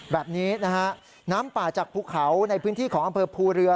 แบบนี้นะฮะน้ำป่าจากภูเขาในพื้นที่ของอำเภอภูเรือ